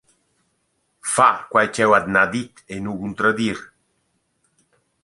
«Fa quai ch’eu at n’ha dit e nu cuntradir!